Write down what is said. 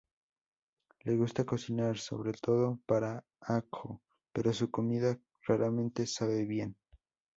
Le gusta cocinar, sobre todo para A-ko, pero su comida raramente sabe bien.